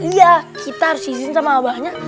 iya kita harus izin sama abahnya